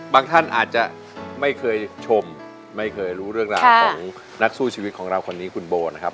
ท่านอาจจะไม่เคยชมไม่เคยรู้เรื่องราวของนักสู้ชีวิตของเราคนนี้คุณโบนะครับ